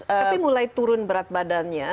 tapi mulai turun berat badannya